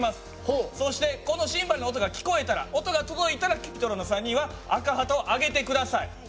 そしてこのシンバルの音が聞こえたら音が届いたらＣｕｐｉｔｒｏｎの３人は赤旗を上げて下さい。